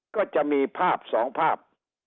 ก็จะมีภาพ๒ภาพ